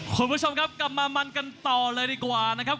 คุณผู้ชมครับกลับมามันกันต่อเลยดีกว่านะครับ